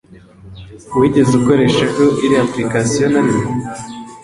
Wigeze ukoreshaho iriya application narimwe ?